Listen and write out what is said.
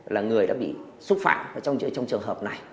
là người đã bị xúc phạm trong trường hợp này